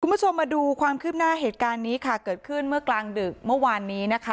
คุณผู้ชมมาดูความคืบหน้าเหตุการณ์นี้ค่ะเกิดขึ้นเมื่อกลางดึกเมื่อวานนี้นะคะ